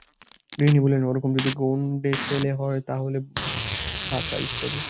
গৃহিণী বলিলেন-ওরকম যদি গুণ্ডে ছেলে হয় তা হলে বাছা-ইত্যাদি।